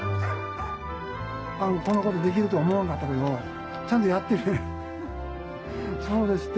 こんな事できるとは思わんかったけどちゃんとやってるね。